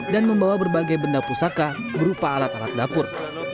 dan membawa berbagai benda pusaka berupa alat alat dapur